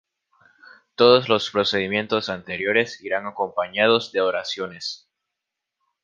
Todos los procedimientos anteriores irán acompañados de oraciones.